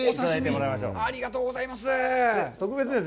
ありがとうございます。